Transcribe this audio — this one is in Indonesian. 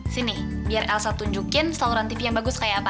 sini biar elsa tunjukin saluran tv yang bagus kayak apa